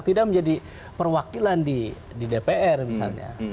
tidak menjadi perwakilan di dpr misalnya